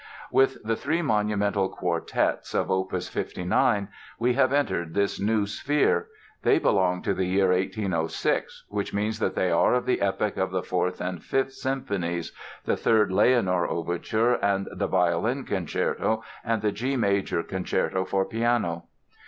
With the three monumental quartets of opus 59 we have entered this new sphere. They belong to the year 1806, which means that they are of the epoch of the Fourth and Fifth Symphonies, the third "Leonore" Overture, and the Violin Concerto and the G major Concerto for piano.